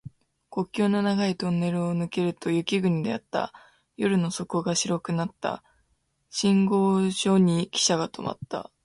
国境の長いトンネルを抜けると雪国であった。夜の底が白くなった。信号所にきしゃが止まった。